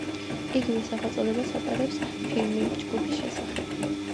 იგივე სახელწოდებას ატარებს ფილმი ჯგუფის შესახებ.